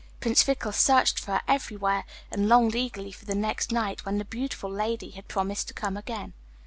Prince Fickle searched for her everywhere, and longed eagerly for the next night, when the beautiful lady had promised to come again.